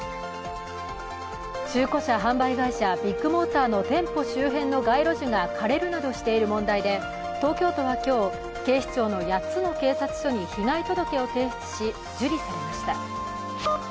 中古車販売会社、ビッグモーターの店舗周辺の街路樹が枯れるなどしている問題で東京都は今日、警視庁の８つの警察署に被害届を提出し、受理されました。